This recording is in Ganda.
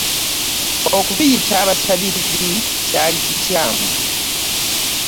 Okutuyita abasabirizi kyali kikyamu.